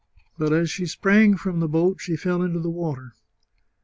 But, as she sprang from the boat, she fell into the water.